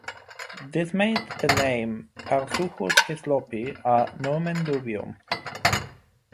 This made the name "Parasuchus hislopi" a "nomen dubium".